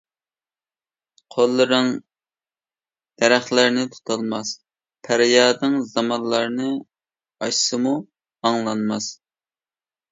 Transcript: قوللىرىڭ دەرەخلەرنى تۇتالماس، پەريادىڭ زامانلارنى ئاشسىمۇ ئاڭلانماس.